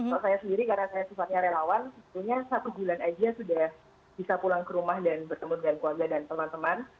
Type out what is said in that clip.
kalau saya sendiri karena saya sifatnya relawan sebetulnya satu bulan aja sudah bisa pulang ke rumah dan bertemu dengan keluarga dan teman teman